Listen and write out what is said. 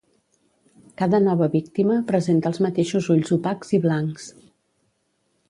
Cada nova víctima presenta els mateixos ulls opacs i blancs.